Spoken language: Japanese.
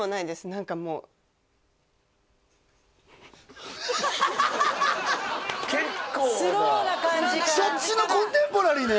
何かもう結構なスローな感じからそっちのコンテンポラリーね